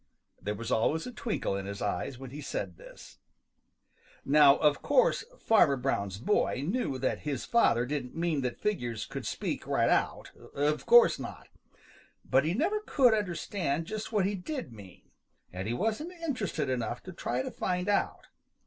There was always a twinkle in his eyes when he said this. Now of course Fanner Brown's boy knew that his father didn't mean that figures could speak right out. Of course not. But he never could understand just what he did mean, and he wasn't interested enough to try to find out.